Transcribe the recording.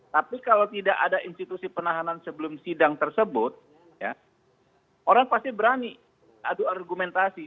tapi kalau tidak ada institusi penahanan sebelum sidang tersebut orang pasti berani adu argumentasi